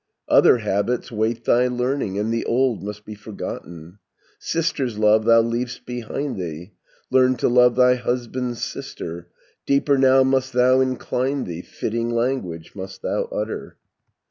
"Other habits wait thy learning, And the old must be forgotten. Sister's love thou leav'st behind thee, Learn to love thy husband's sister. Deeper now must thou incline thee, Fitting language must thou utter.